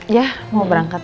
ya mau berangkat